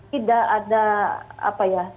tidak ada apa ya